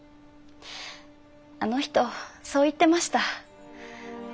あの人そう言ってました。